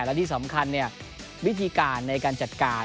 และที่สำคัญวิธีการในการจัดการ